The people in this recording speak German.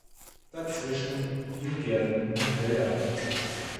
Dazwischen liegen Gärten und Felder.